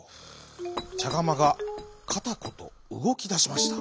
ちゃがまがカタコトうごきだしました。